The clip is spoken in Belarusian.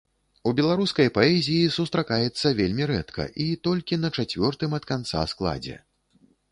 У беларускай паэзіі сустракаецца вельмі рэдка і толькі на чацвёртым ад канца складзе.